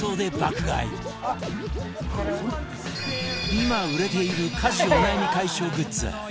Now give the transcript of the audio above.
今売れている家事お悩み解消グッズ